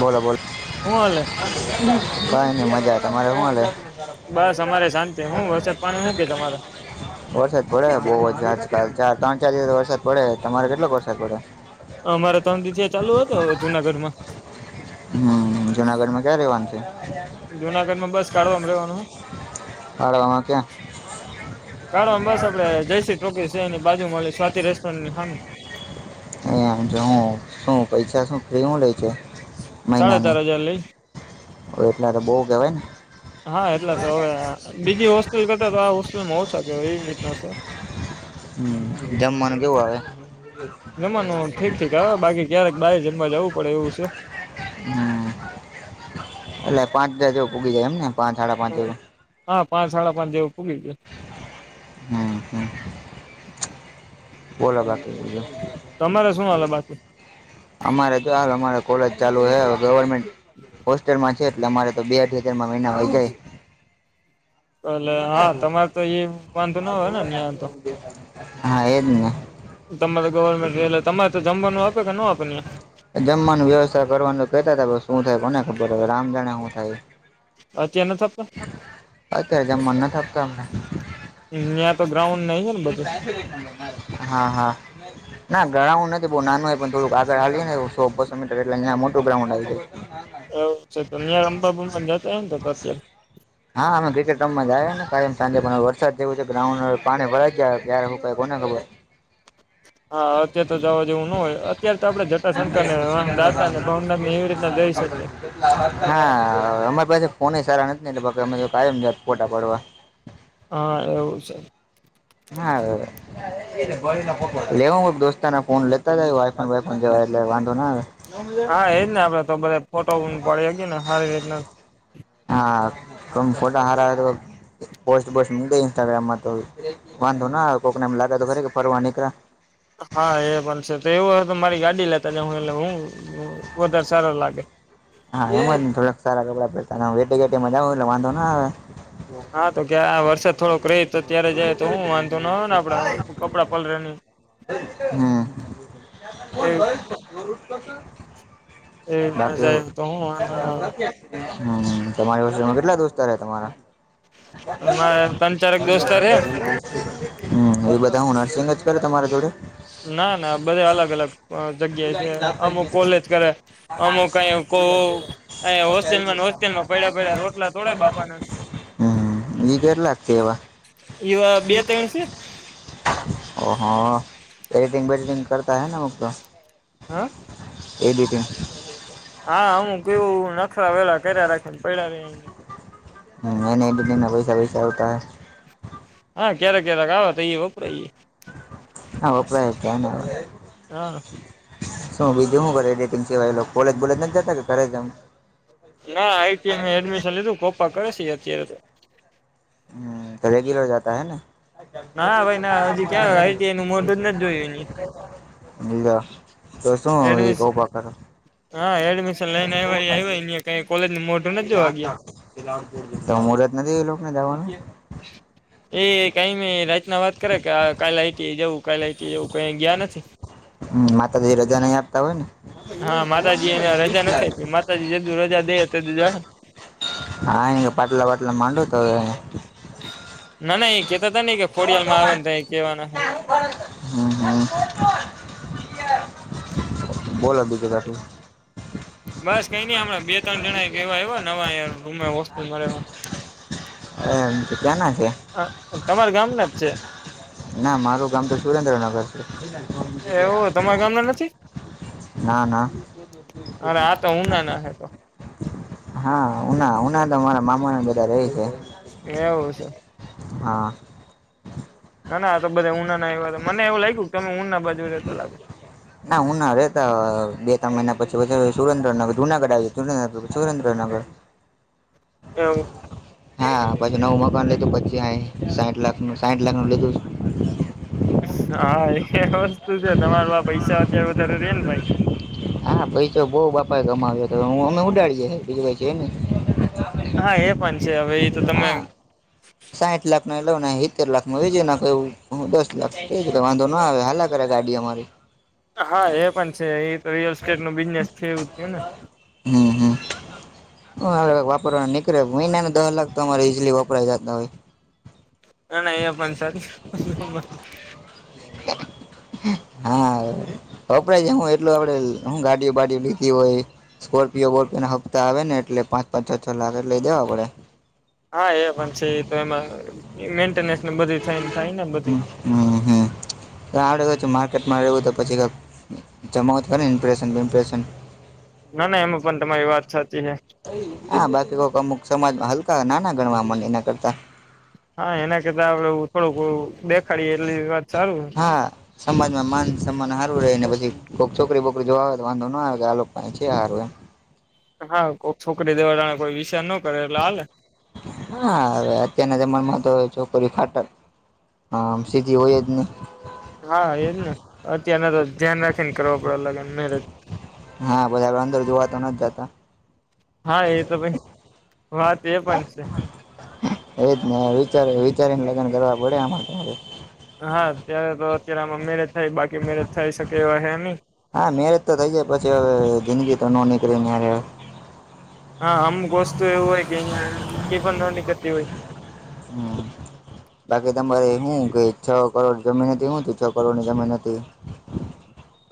બોલો બોલ હુંાલલે બીચ મેં કિસી અવાજ કી ધમની દેરી હૈ બસ અમારે શાંતિ હું વરસાદ પાણી હું કે તમારે વરસાદ પડે બહુ જ આજકાલ ચાર ત્રણ ચાર દિવસ વરસાદ પડે તમારે કેટલોક વરસાદ પડે અમારે ત્રણ દ ચાલુ હત હવે જુનાગઢ માં હમ જુનાગઢ માં ક્યાં રવાનું છે જુનાગઢમાં બસ કાઢોમ રવાનું ભાડવામાં કાઢવામ બસ આપડે જયસ્રી ટોકી છેની બાજુ મળી સ્વાતી રેસ્ટોરન્ટની હામી એમ હું શું પૈસા શું ફ્રી હું લે છે સાડા મહિનાની ચાર હજાર લઈ એટલા તો બહ કેહેવાય ને હા એટલા તો હવે બીજી હોસ્ટેલ કરતા તો આ હોસ્ટેલમાં ઓછા કેય એવી રીતના છે હમ જમવાનું કેય જમવાનું ઠીક ઠીક આવે બાકી ક્યારેક બારે જમવા જવું પડે એવું છે હમ એટ પાંચ દ જે પૂગી જાય એમને પાંચ સાડા પાંચ હા પાંચ સાડા પાંજ ભૂગલી ગ છે હમ હમ બોલા બાકી બયા તમારે શું વાલે બાતુ અમારે જો હાલ અમારે કોલેજ ચાલુ હવે ગવર્મેન્ટ હોસ્ટલમાં છે એટલે અમારે તો બે અઠી હજારમાં મહિના હોય જાય એલે હા તમારે તો એ વાંધો ના હોય ને ્યા તો હા એ જ ને તમારે ગવર્મેન્ટ એલે તમારે તો જમવાનું આપે કે ન આપે જમવાનું વ્યવસ્થા કરવાનું કેતા હતા શું થાય કોને ખબર હો રામ જાણે શું થાય અચેન થપ હજ મન ન થ આપતોમણા ત્યાં તો ગ્રાઉન્ડ ન છે ને બધું હા હા ના ગ્રાઉન્ડ નથી બઉુ નાનુંય પણ થોડું આગળ આવીએ ને સો બસો મીટર એટલે મોટું ગ્રાઉન્ડ આવીાય એવ છે તો ં અંબાબમાં જતા એને અત્યારે હા અમે ક્રિકેટ રમમાં જ આવ્યા ને કારલેમ સાંજે પણ વરસાદ થયયો છે ગાઉન્ડ પાણી ભરાઈ જાય ત્યારે હું કઈ કોને ખબર હા અત્યારે તો જવા જેવું ન હોય અત્યારે તો આપણે જટાશંક ને દાતા ને ભાવનાથ ને એવી રીતના જઈ શકીએ હા અમારી પાસે ફોન સારા નથી એટલે અમેમત ફોટા પડવા હા એવું છે હા લેવા દોસ્તાના ફોન લેતા જ વાયફોન વાઈફોન જવાય એટલે વાંધો ના આવે હા એજ ને, આપડે તો બધા ફોટો ઓમ પાડી હગી ને હારી રીતના. હા. તમ ફોટો હારા હારો પોસ્ટ બોસ્ટ મુકી ઈન્સ્ટાગ્રામમાં તો વાંધો ના આવે, કોકને એમ લાગે તો ખરી કે ફરવા નીકળા. હા એ પણ છે. તો એવું હોય તો મારી ગાડી લેતા જાવ, એટલે હું વધારે સારું લાગે. હા એમ જ ને, થોડાક સારા કપડા પહેરતા [unintelligible] એટી કેટીમાં જાવ એટલે વાંધો ના આવે. હા તો કે આ વરસાદ થોડોક રહે તો અત્યારે જાઈએ તો હું વાંધો નો આવે ને આપણા આ કપડા પલળે નહીં. હમ્મ. એ રીતના બાકી, જાય તો હું વાંધો ના હમ્મ, તમારી પાસેમાં કેટલા દોસ્તાર હે તમારા? આવે મારે ત્રણ ચારક દોસ્તાર હે [inaudible] હમ્મ, એ બધા હું નર્સિંગ જ કરે તમારા જોડે? ના, ના બધે અલગ-અલગ અહ જગ્યાએ છે. અમુક કોલેજ કરે અમુક અયાં કહું અહિયાં હોસ્ટેલમાં ને હોસ્ટેલમાં પયડાં-પયડાં રોટલા તોડે બાપાના. હમ્મ, ઈ કેટલાક હે એવા? ઈવા બૈ તય્ણ સે. ઓહો. એડિટિંગ બેડિટિંગ કરતા હે ને અમુક તો? હા. એડિટીંગ હા હું કેવું નખરા વેલા કયરા રાખેને પયડા રહે અહિયાં. હમ્મ. એનેય બધાયને પૈસા વૈસા આવતા હે? હા ક્યારેક-ક્યારેક આવે તો ઈ એ વપરાય જાય. હા, વપરાય જ જાય ને હવે. હા શું બીજું હું કરે એડિટિંગ સિવાય એ લોક? કોલેજ બોલેજ નથ જતા કે ઘરે જ આમ? ના આઈ ટીમાં એડમિશન લીધું, કોપા કરે સે ઈ અત્યારે તો. હમ્મ, તો રેગ્યુલર જતા હે ને? ના ભાઈ ના હજી ક્યાં આઈ ટી નું મોઢું જ નથ જોયું એને. લ્યો. તો શું ઈ એડમિશન કોપા કરે? હા એડમિશન લઈને આયવા ઈ આતવા, ન્યાં કાંઈ કોલેજનું મો તો મુર્હત નથી ઈ લોકને જાવાનું? [inaudible] એ કાઈ નહીં, રાયતના વાત કરે કે આ કાલ આઈ ટી એ કાલ આઈ ટી જવું, કએ ગયા નથી. હમ્મ, માતાજી રજા નહીં આપતા હોય ને. હા માતાજી એને રજા નથ આયપી, માતાજી જે દી રજા દે હે તે દી જા હે. હા એને કેય પાટલા વાટલા માંડો તો હવે. ના, ના એ કેતા તા ને કે ઈ કે ખોડિયાલ માં આવે ને તયે કેવાના હે. હમ્મ-હમ્મ. [inaudible] બોલો બીજું કશું. બસ કંઈ નઈ, હમણાં બે તણ જણા એક એવા આયવા નવા અહિંયા રૂમે હોસ્ટેલ માં રહેવા. એમ. તે ક્યાં ના છે? આ તમાર ગામ ના જ છે. ના, મારું ગામ તો સુરેન્દ્રનગર છે. એવું. તમારા ગામના નથી? ના ના અરે આ તો ઊનાના હે. તો હા, ઉના-ઉના, તો મારા મામા ને બધા રેય હે. એવું સે. હા. ના, ના આ તો બધાય ઊના ના આયવા, તો મને એવું લાયગું તમે ઊના બાજું રેતા લાગે. ના ઉના રહેતા, બે તણ મહિના પછી વધારે સુરેન્દ્રનગર, જુનાગઢ આવી, [unintelligible] સુરેન્દ્રનગર એવું. હા પછી નવું મકવાનું લીધું પછી આ સાઠ લાખ નું સાઈઠ લાખનુ લીધુ હા એ વસ્તુ છે. તમાર આ પૈસા અત્યારે વધારે રે ને ભાઈ હા પછાઈ તો બહુ બાપાએ ગમાવ્યો હતો હું અમે ઉડાડીએ બીું પ છે. એ ન હા, એ પણ છે. હવે એ તો તમે ના એટ લ ને સિત્તેર લાખમાં વ જેને ક હુ, દસ લાખ ક કઈ વાંધો ના આવે હાલા કરે ગાડી અમારી હા એ પણ છે. એ તો રિયલ એસ્ટેટ નું બિઝનેસ છે, એવું થું ને હમ, હમ હ વાપરવાનું નીકળ્યો મહિનાનુ દહ લાખ તો અરે ઇઝલી વપરાય જતા હોય. ના ન પણ સારી હા અપડ જ હું એટલું આપડે ગાડીયો બાાડીયો લીધી હોય. સ્કોર્પિયો બોટપીના હપ્તા આવે ને એટલે પાંચ પાંચ છ છ, લાખ એટલે દેવા પડે હા એ પણ છે. તો એમાં મેન્ટેનન્સને બધી થઈને થાય ને બધી હમ્મ, હમ્મ આવડે કછું માર્કેટમાં રહેવુ, તો પછી કઈક જમાવતું હોય ને ઇમપ્રેશન બિમ્પ્રેશન ના ના એમાં પણ તમારી વાત સાચી છે. હા, બાકી કોક અમુક સમાજમાં હલકા નાના ગણવા મને એના કરતા હા, એના કરતા આપડે થોડુંક દેખાડીએ એટલી વાત સારું હા સમાજમાં માન સન્માન સારું રહે ને પછી કોઈક છોકરી બોકરી જો આવે તો વાંધો ન આવે કે આ લોકો કઈક છે, હારુ હા કોઈ છોકરી, દેવાળા કોઈ વિષય નો કરે એટલે હાલ હા, હવે અત્યારના જમનામાં તો છોકરી ખાટક હામ સીધી હોય, જ નહી હા, એ જ ને અત્યારના તો ધ્યાન રાખીને કરવા પડે લગ્ન મેરેજ હા પછી, આપલે અંદર જોવા તો નથી જતા હા, એ તો પણ વાત એ પણ છે. એ વિચારી વિચારીને લગ્ન કરવા પડે આમા તો હવે હા અત્યારે તો અત્યારે આમાં મેરેજ થાય બાકી મેરેજ થઈ શકે એવા હે, નઈ હા મેરેજ તો થઈ જાય પછી, હવે જિંદગી તો નો નીકળે હવે હા અમુક વસ્તુ એવું હોય, કે અહિયાં જિંદગી પણ નીકતી હોય. હમ્મ બાકી તમારે હું કે છ, કરોડ જમીન હતી હું તો છ. કરોડ ની જમીન હતી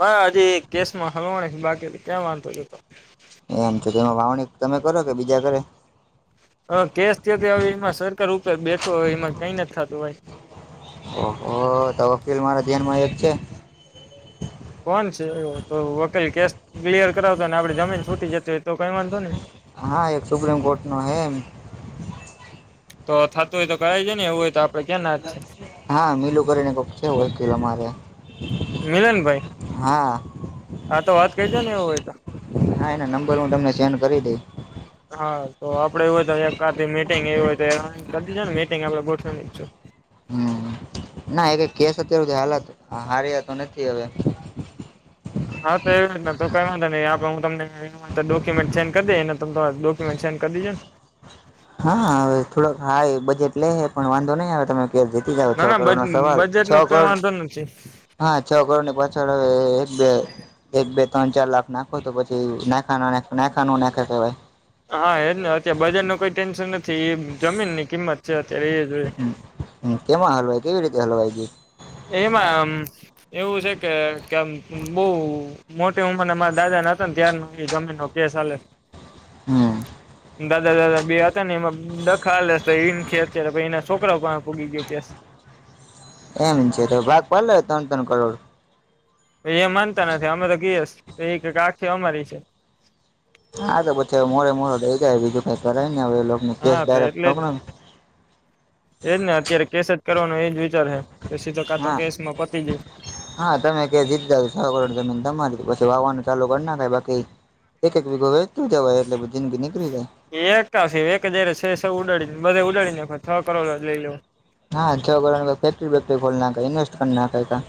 હ હજી કેસ માં હલવા છે. બાકી ક્યાં વાંધો હતો એમ તો તેમાં વાવણી તમે કરો કે બીજા કરે હ કેસ થ તો હવે એમાં સરકાર ઉપર બેઠો એમાં કઈ નથી થાતું હોય. ઓહ તો વકીલ મારા ધ્યાન માં એક છે. કોણ છે એ તો વકીલ કેસ ક્લિયર કરાવતો ને આપડી જમીન છૂટી, જતી એ તો કઈ વાંધો ને હા, એક સુપ્રીમ કોર્ટ નો હે એમ તો થતું હોય તો કરાય જાય ને એવું હોય તો આપડે ક્યાં ના જ છે. હા મિલું કરીને કોક છે, વકીલ મારે મિલનભાઈ હા હા તો વાત કરી છે ને એવું હોય તો હા એના નંબર હુ, તમને સેન્ડ કરી દઈશ હા તો આપડે એવુ હોય તો એકા દી મિટિંગ એવી હોય તો ત્યાં કરી દેજો ને મિટિંગ આપડે ગોઠવ શું હમ ના એ કેસ અત્યાર સુધી હાલયા હાર્યા તો નથી, હવે હા તો એવી રીત ના તો કઈ વાંધો નહી આપણે હુ. તમને હા, ક્યુમેન્ટ સેન્ડ કરી દે એને તમ તમાર ડોક્યુમેન્ટ સેડ કરી દેજોને હા હવે થોડોક હાય બજેટ લે હે પણ વાંધો નહી, આવે તમે જીતી જાવ છ ના ના કરોડ બજ નો સવાલ બજેટ છ. નું કઈ કરોડ વાંધો નથી હા છ, કરોડ ની પાછળ હ એક બે એક બે ત્રણ ચાર લાખ ના તો તો પછી નાખા ના નાખા કેવાય હા એજ ને અત્યારે બજાર નુ કોઈ ટેન્શન નથી એ જમીન ની કિંમત છે. અત્યારે એ જો હમ્મ, કેમાં હલવાય કેવી રીતે હલવાય ગયુ? એમાં આમ એવું છે કે, કે આમ બઉ મોટી ઉંમરના માણ દાદા નતા ન ત્યાર નો ઈ જમીનનો કેસ હાલે. હમ દાદા-દાદા બે હતા ન એમાં દ ખાલે સ તો ઈમ કે અત્યારે પહિ એના સોકરો પાહે પોગી ગયો કેસ. એમ છે, તો ભાગ પાડ લે ત્રણ-ત્રણ કરોડ. એ માનતા નથી, અમે તો કેસ તો ઈ કેય આખી અમારી છે. હા, તો પછી હવે મોરે મોરો દઈ દેવાય, બીજું કાંઈ કરાઈ ની હવે એ લોકો હા, તો એટલે જ એ જ ને અત્યારે કેસ જ કરવાનો એ જ વિચાર હે. તો સીધો કા તો હા કેસમાં પતી જાય. હા, તમે કે જીત દાવ છ કરોડ જમીન, તમારી પછી વાવાનું ચાલુ કર નાખાય બાકી એક-એક વીઘો વેચતું જવાય એટલે બ જિંદગી નીકળી જાય. એક શે, એક જ હારે સ એ સ ઉડાડી ન બધે ઉડાડીન નાખવા છ કરોડ જ લઈ લેવા. હા, છ કરોડની તો ફેકરી-બેક્ટરી ખોલ નાખે ઈન્વેસ્ટ પણ ના કાઈ પણ.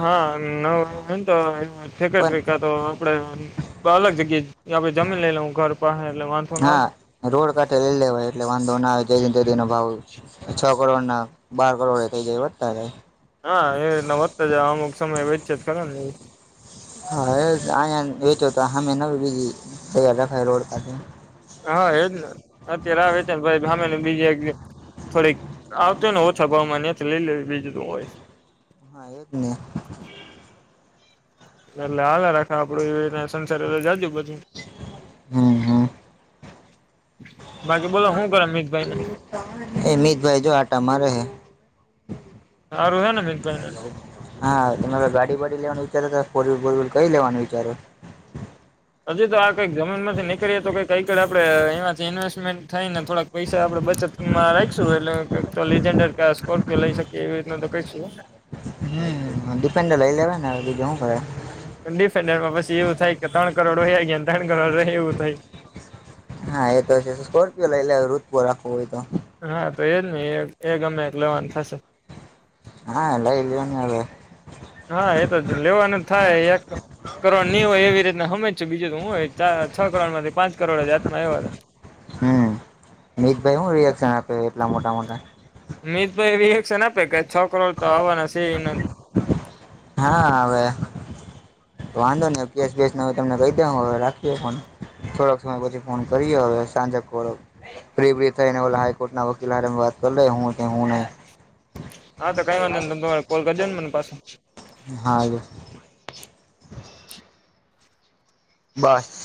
હા, ન હોય ન તો એનું પણ ફેક્ટરી કર તો આપડે અલગ જગ્યાએ આપડે જમીન લઈ લે હું ઘર પાહે એટલે વાંધ હા, રોડ કાઠે લઈ લેવાય એટલે વાંધો ના આવે જેદી ન તેદી નો ભાવ છ કરોડના બાર કરોડય થઈ જાય વધતા જાય. હા, હે એટલા વધતા જાય, અમુક સમયે વેચયે તો ખરા ન હા, એ આયા વેચો તો હામે નવી બીજી તૈયાર રખાય રોડ પાસે હા, એ જ ને અત્યારે આવે રીતે ભાઈ હામેની બીજી એક જમીન થોડીક આવતો ને ઓ સભા માનીએ ચલી લે બીજું તો હુ હોય. હા, એ જ ને. એટલે હાલે રાખે આપડું, એવી રીતના સંસારે જાજુ બધું. હમ. હમ બાકી બોલો હુ કર મિતભાઈને? એ મિતભાઈ જો આટા મારે હે. હારુ હે ને મિતભાઈને? હા, તમારે ગાડી-બાડી લેવાનું વિચાર હતા, ફોર વીલ બોર વીલ કઈ લેવાનું વિચારો? અજી તો આ કઈક જમીનમાથી નીકળીએ તો કઈ કઈક આપડે, એમાંથી ઇન્વેસ્ટમેન્ટ થાયને થોડાક પૈસા આપડે બચતમાં રાઈખશું એટલે તો તો લીજેન્ડર કે આ સ્કોર્પિયો લઈ શકીએ એવી રીતનું તો કરીશું હો. હમ, ડિપેન્ડલ લઈ લેવાય ને હવે બીજું હું કરે. એમ ડિફેન્ડરમાં પસી એવુ થાય કે ત્રણ કરડો વયા ગયા ન ત્રણ કરોડ રહ્યા એવું થાય. હા, એ તો છે તો સ્કોર્પિયો લઈ લેવાય ઋત્બો રાખવો હોય તો. હા, તો એજ ને, એ એ ગમે એક લેવાન થાશે. હા, એટલે એ લેવાની આવે. હા, એ તો જ લેવાનું થાય એક કરોડ ની હોય એવી રીતના હમજ શું બીજું તો હું હોય ચા છ કરોડમાંથી પાંચ કરોડ જ હાથમાં આયવા તા. હમ, મિતભાઈ હુ રિએક્શન આપે એટલા મોટા-મોટા. મીતભાઈ એવી એક્શન આપે કે છ કરોડ તો આવાના શે ઈન. હા, આવે. વાંધો ની અવ કેસ બેસનું તમને કઈ દેવુ હવે રાખીએ ફોન. થોડાક સમય પછી ફોન કરીએ હવે. સાંજે કોરોક ફ્રી બ્રી થઈને ઓલા હાઈકોર્ટ ના વકીલ હારે વાત કર લે હુ કે હુ નઈ. હા, તો કઈ વાંધો ની તમ તમારે કોલ કર દયો ને મને પાસ હારુ. બસ.